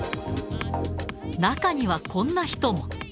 中にはこんな人も。